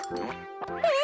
えっ？